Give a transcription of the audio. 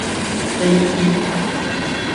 飛邊